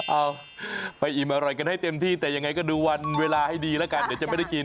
เอาไปอิ่มอร่อยกันให้เต็มที่แต่ยังไงก็ดูวันเวลาให้ดีแล้วกันเดี๋ยวจะไม่ได้กิน